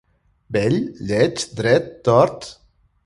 Bell? lleig? dret? tort?